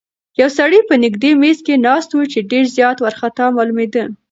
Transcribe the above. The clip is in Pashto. یو سړی په نږدې میز کې ناست و چې ډېر زیات وارخطا معلومېده.